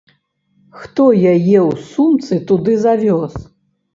Хто яе ў сумцы туды завёз?